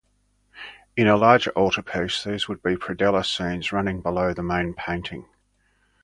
In a larger altarpiece these would be predella scenes running below the main painting.